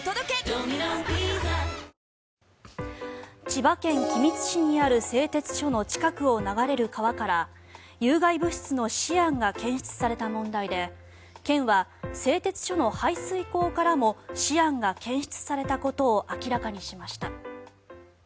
千葉県君津市にある製鉄所の近くを流れる川から有害物質のシアンが検出された問題で県は製鉄所の排水溝からもシアンが検出されたことを明らかにしました。